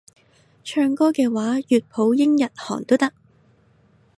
唱歌嘅話粵普英日韓都得